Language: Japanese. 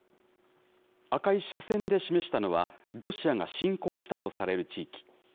赤い斜線で示したのは、ロシアが侵攻したとされる地域。